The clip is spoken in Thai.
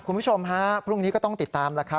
คุณผู้ชมฮะพรุ่งนี้ก็ต้องติดตามแล้วครับ